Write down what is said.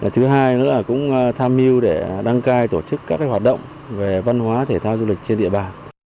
thứ hai nữa là cũng tham mưu để đăng cai tổ chức các hoạt động về văn hóa thể thao du lịch trên địa bàn